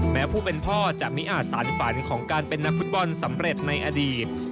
ผู้เป็นพ่อจะไม่อาจสารฝันของการเป็นนักฟุตบอลสำเร็จในอดีต